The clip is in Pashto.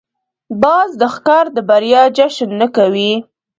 باز د ښکار د بریا جشن نه کوي